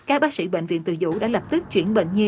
các bác sĩ bệnh viện tù dụ đã lập tức chuyển bệnh nhi